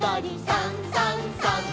「さんさんさん」